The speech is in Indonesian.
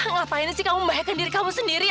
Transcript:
ngapain sih kamu membahayakan diri kamu sendiri